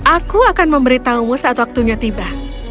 aku akan memberitahumu saat waktunya tiba